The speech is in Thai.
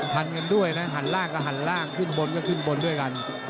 พันกันด้วยนะหันล่างก็หันล่างขึ้นบนก็ขึ้นบนด้วยกัน